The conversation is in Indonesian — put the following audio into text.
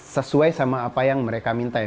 sesuai sama apa yang mereka minta ya